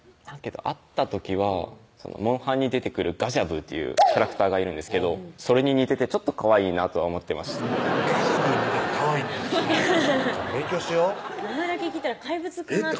会った時は「モンハン」に出てくるガジャブーっていうキャラクターがいるんですけどそれに似ててちょっとかわいいなとは思ってましたガジャブーに似ててかわいいねや勉強しよ名前だけ聞いたら怪物かなえっ？